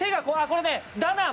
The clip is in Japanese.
これねダナン。